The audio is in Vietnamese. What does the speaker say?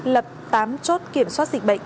lập tám chốt kiểm soát dịch bệnh